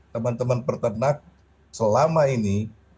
teman teman peternak selama ini